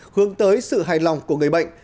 hướng tới sự hài lòng của người bệnh